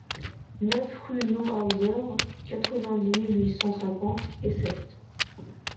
neuf rue Neuhauser, quatre-vingt-dix mille huit cent cinquante Essert